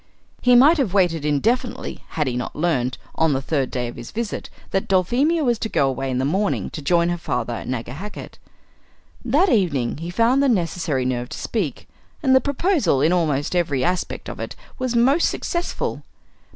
He might have waited indefinitely had he not learned, on the third day of his visit, that Dulphemia was to go away in the morning to join her father at Nagahakett. That evening he found the necessary nerve to speak, and the proposal in almost every aspect of it was most successful.